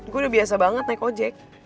gue udah biasa banget naik ojek